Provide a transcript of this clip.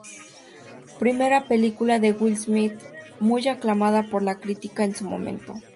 Primera película de Will Smith, muy aclamada por la crítica en su momento.